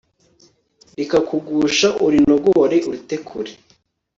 rikakugusha, urinogore urite kure